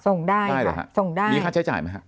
ส่งได้ค่ะส่งได้มีค่าใช้จ่ายไหมครับ